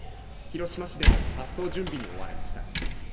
広島市でも発送準備に追われました。